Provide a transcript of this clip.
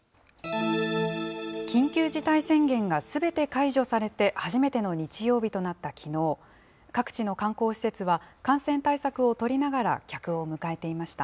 緊急事態宣言がすべて解除されて初めての日曜日となったきのう、各地の観光施設は感染対策を取りながら、客を迎えていました。